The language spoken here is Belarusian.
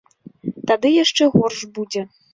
Тады яшчэ горш будзе.